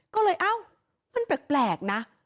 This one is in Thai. ก็เลยเอ้ามันแปลกนะ